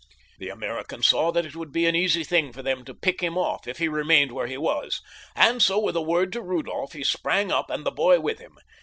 The American saw that it would be an easy thing for them to pick him off if he remained where he was, and so with a word to Rudolph he sprang up and the boy with him.